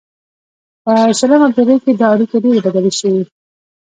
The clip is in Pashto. په شلمه پیړۍ کې دا اړیکې ډیرې بدلې شوې